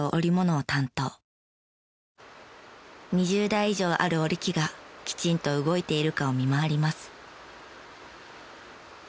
２０台以上ある織り機がきちんと動いているかを見回ります。